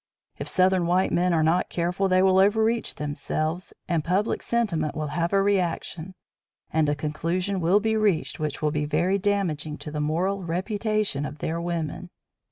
If Southern white men are not careful they will overreach themselves, and public sentiment will have a reaction; and a conclusion will be reached which will be very damaging to the moral reputation of their women."